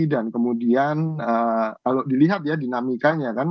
dan kemudian kalau dilihat ya dinamikanya kan